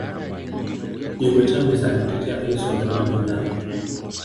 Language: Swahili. hugo chavez alimtetea rais wa zamani udanda